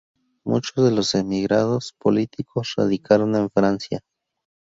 Muchos de los emigrados políticos radicaron en Francia.